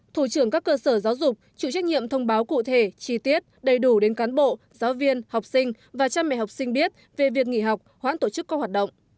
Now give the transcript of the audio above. thủ trưởng các cơ sở giáo dục chủ trách nhiệm thông báo cụ thể chi tiết đầy đủ đến cán bộ giáo viên học sinh và cha mẹ học sinh biết về việc nghỉ học hoãn tổ chức các hoạt động